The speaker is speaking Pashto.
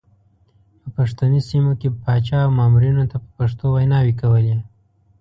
په پښتني سیمو کې پاچا او مامورینو ته په پښتو ویناوې کولې.